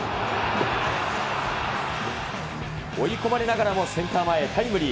追い込まれながらも、センター前へタイムリー。